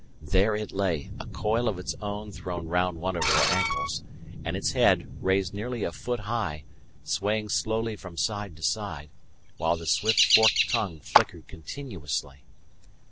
There it lay, a coil of its own thrown round one of her ankles, and its head, raised nearly a foot high, swaying slowly from side to side, while the swift forked tongue flickered continuously.